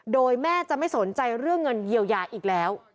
โดยแม่จะไม่สนใจเรื่องเงินเยียวยาอีกแล้ว